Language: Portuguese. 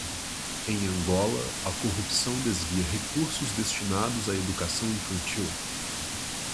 Em Angola, a corrupção desvia recursos destinados à educação infantil